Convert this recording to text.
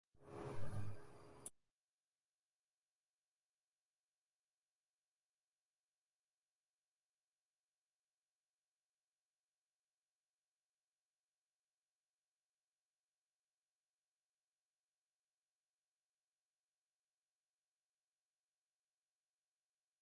The tournament took place within "Impact Wrestling".